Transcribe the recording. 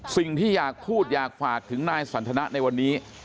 สิ่งที่อยากพูดอยากฝากถึงนายสันทนะในวันนี้